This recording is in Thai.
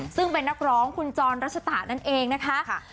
ซึ่งเป็นนักร้องคุณจรรัชตะนั่นเองนะคะ